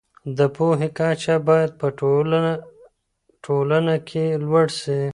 د پوهي کچه بايد په ټوله ټولنه کي لوړه سي.